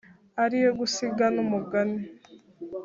ariyo gusiga n’umugani.